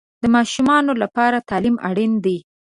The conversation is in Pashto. د ماشومانو لپاره تعلیم اړین دی.